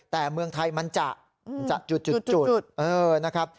แต่เมืองไทยมันจะจุดนะครับ